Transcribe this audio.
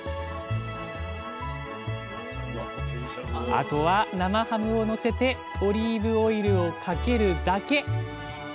あとは生ハムをのせてオリーブオイルをかけるだけ。